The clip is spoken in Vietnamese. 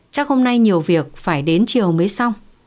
chắc hôm nay nhiều việc phải đến chiều mới xong